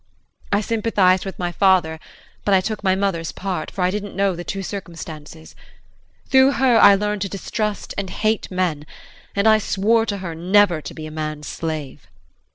I sympathized with my father, but I took my mother's part, for I didn't know the true circumstances. Through her I learned to distrust and hate men, and I swore to her never to be a man's slave. JEAN.